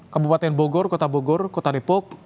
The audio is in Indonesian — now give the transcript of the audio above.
kabupaten bogor kota bogor kota depok